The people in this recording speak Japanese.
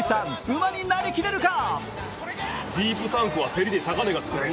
馬になりきれるか？